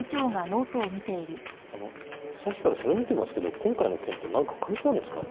あのさっきからそれ見てますけど今回の件となんか関係あるんですか？